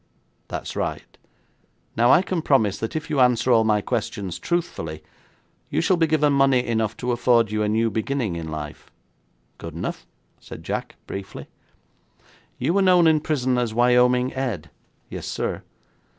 'That's right. Now, I can promise that if you answer all my questions truthfully, you shall be given money enough to afford you a new beginning in life.' 'Good enough,' said Jack briefly. 'You were known in prison as Wyoming Ed?' 'Yes, sir.'